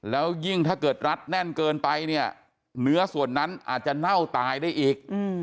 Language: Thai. แล้วยิ่งถ้าเกิดรัดแน่นเกินไปเนี่ยเนื้อส่วนนั้นอาจจะเน่าตายได้อีก